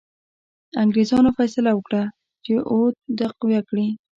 انګرېزانو فیصله وکړه چې اود تقویه کړي.